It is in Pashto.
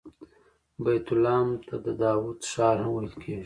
بیت لحم ته د داود ښار هم ویل کیږي.